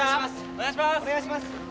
お願いします。